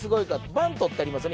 バントってありますよね